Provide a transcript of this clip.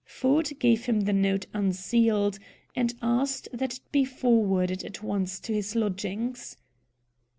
Ford gave him the note, unsealed, and asked that it be forwarded at once to his lodgings.